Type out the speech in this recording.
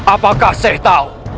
apakah saya tahu